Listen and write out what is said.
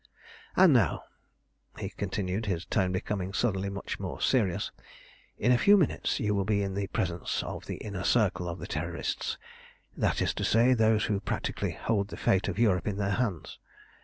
"And now," he continued, his tone becoming suddenly much more serious, "in a few minutes you will be in the presence of the Inner Circle of the Terrorists, that is to say, of those who practically hold the fate of Europe in their hands.